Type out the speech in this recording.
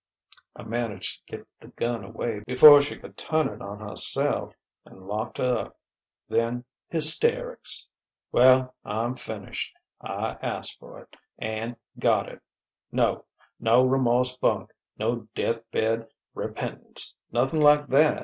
I managed to get the gun away before she could turn it on herself, and locked her up. Then hysterics.... Well, I'm finished. I asked for it, and got it.... No: no remorse bunk, no deathbed repentance, nothing like that!